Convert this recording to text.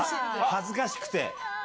恥ずかしくて。